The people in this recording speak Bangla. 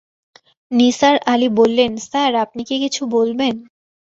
নিসার আলি বললেন, স্যার, আপনি কি কিছু বলবেন?